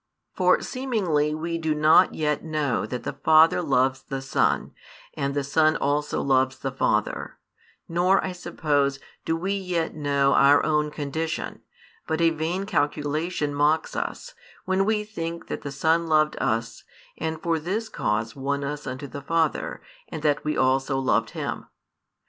For seemingly we do not yet know that the Father loves the Son, and the Son also loves the Father; nor, I suppose, do we yet know our own condition, but a vain calculation mocks us, when we think that the Son loved us, and for this cause won us unto the Father, and that we also loved Him!